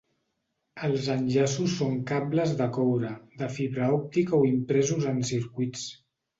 Els enllaços són cables de coure, de fibra òptica o impresos en circuits.